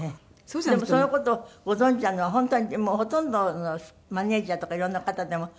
でもその事をご存じなのは本当にもうほとんどのマネジャーとかいろんな方でも知らなかったんですって？